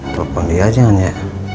bapak meja jangan ya